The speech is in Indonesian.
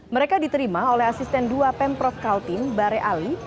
mereka diterima oleh asisten dua pemprov kaltim bare ali